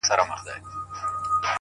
نظم د بریا بنسټ دی،